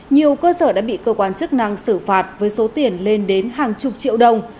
nhiều cơ sở đã bị cơ quan chức năng xử phạt với số tiền lên đến hàng chục triệu đồng